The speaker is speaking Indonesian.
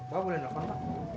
pak boleh nelfon pak